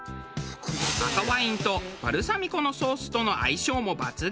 赤ワインとバルサミコのソースとの相性も抜群。